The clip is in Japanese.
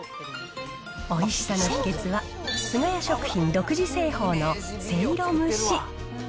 おいしさの秘密は、菅谷食品独自製法のせいろ蒸し。